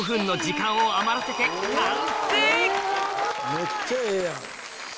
めっちゃええやん。